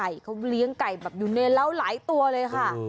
เขาเลี้ยงไก่แบบอยู่ในเล้าหลายตัวเลยค่ะ